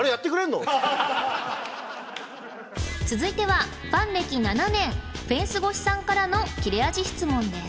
続いてはファン歴７年フェンス越しさんからの切れ味質問です